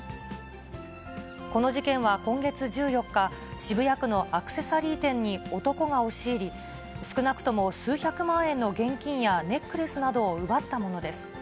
この事件は今月１４日、渋谷区のアクセサリー店に男が押し入り、少なくとも数百万円の現金やネックレスなどを奪ったものです。